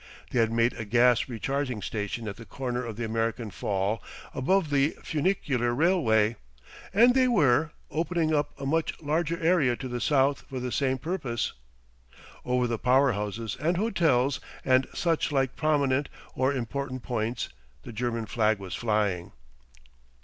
They had made a gas recharging station at the corner of the American Fall above the funicular railway, and they were, opening up a much larger area to the south for the same purpose. Over the power houses and hotels and suchlike prominent or important points the German flag was flying.